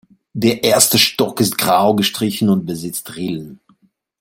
Der erste Stock ist grau gestrichen und besitzt Rillen.